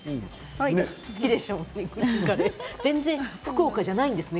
全然福岡じゃないんですよね。